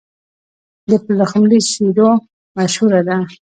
د پلخمري سیلو مشهوره ده.